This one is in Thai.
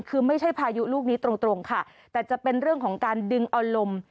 คือไม่ใช่พายุลูกนี้ตรงตรงค่ะแต่จะเป็นเรื่องของการดึงเอาลม